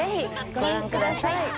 ご覧ください。